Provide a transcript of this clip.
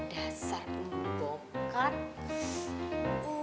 dasar pembawa kartu